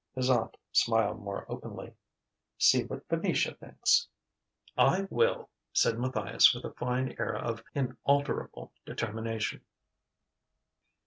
His aunt smiled more openly: "See what Venetia thinks." "I will!" said Matthias with a fine air of inalterable determination.